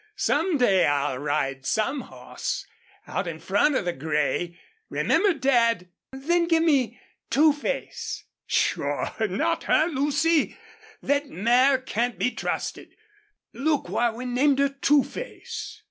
Some day I'll ride some horse out in front of the gray. Remember, Dad! ... Then give me Two Face." "Sure not her, Lucy. Thet mare can't be trusted. Look why we named her Two Face."